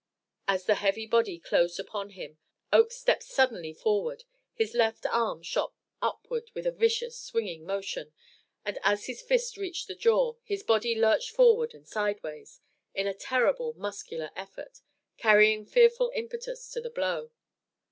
As the heavy body closed upon him, Oakes stepped suddenly forward. His left arm shot upward with a vicious, swinging motion, and as his fist reached the jaw, his body lurched forward and sideways, in a terrible muscular effort, carrying fearful impetus to the blow.